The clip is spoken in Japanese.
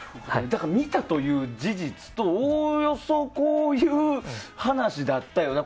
だから、見たという事実とおおよそこういう話だったよな